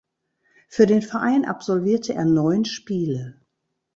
Für den Verein absolvierte er neun Spiele.